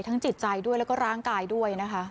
จิตใจด้วยแล้วก็ร่างกายด้วยนะคะ